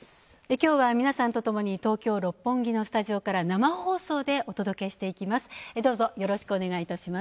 きょうは、皆さんとともに東京・六本木のスタジオから生放送でお届けしていきます。